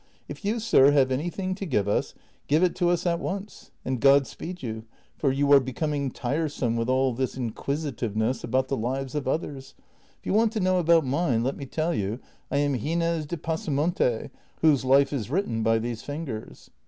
If you, sir, have anything to give us, give it to us at once, and God speed you, for you are becoming tiresome with all this inquisitiveness about the lives of others ; if you want to know about mine let me tell you I am Gines de Pasamonte, whose life is written by these fingers."